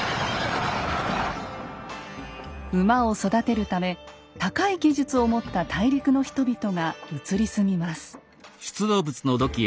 馬を育てるため高い技術を持った大陸の人々が移り住みます。